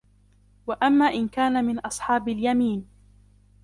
وأما إن كان من أصحاب اليمين